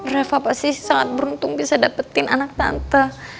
grava pasti sangat beruntung bisa dapetin anak tante